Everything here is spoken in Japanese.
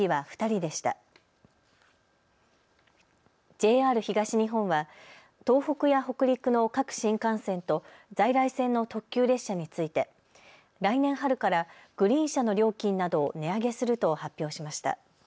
ＪＲ東日本は東北や北陸の各新幹線と在来線の特急列車について来年春からグリーン車の料金などを値上げすると発表しました。